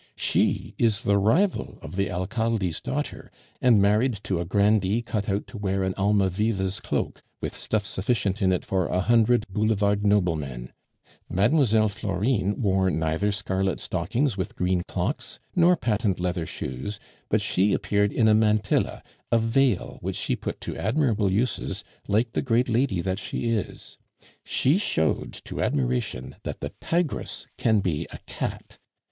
She is the rival of the Alcalde's daughter, and married to a grandee cut out to wear an Almaviva's cloak, with stuff sufficient in it for a hundred boulevard noblemen. Mlle. Florine wore neither scarlet stockings with green clocks, nor patent leather shoes, but she appeared in a mantilla, a veil which she put to admirable uses, like the great lady that she is! She showed to admiration that the tigress can be a cat.